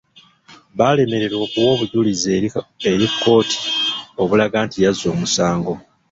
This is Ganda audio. Baalemererwa okuwa obujulizi eri kkooti obulaga nti yazza omusango.